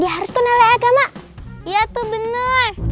dia harus penelit agama iya tuh bener